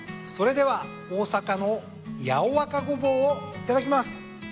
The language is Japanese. それでは大阪の八尾若ごぼうをいただきます。